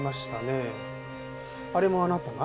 あれもあなたが？